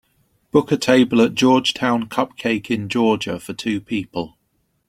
Book a table at Georgetown Cupcake in Georgia for two people